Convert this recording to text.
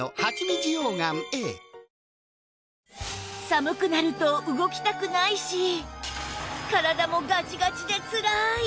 寒くなると動きたくないし体もガチガチでつらい